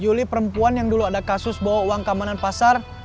yuli perempuan yang dulu ada kasus bawa uang ke amanan pasar